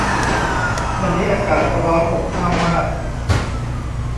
วันนี้อากาศร้อนอบอ้าวมาก